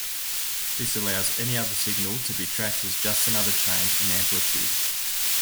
This allows any other signal to be tracked as just another change in amplitude.